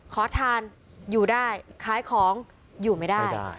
ขอทานอยู่ได้ขายของอยู่ไม่ได้